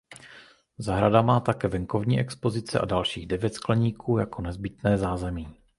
Zahrada má také venkovní expozice a dalších devět skleníků jako nezbytné zázemí.